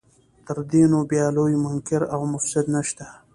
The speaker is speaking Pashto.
تر دې نو بیا لوی منکر او مفسد نشته.